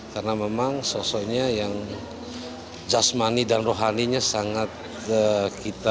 karena memang sosoknya yang jasmani dan rohaninya sangat kekitab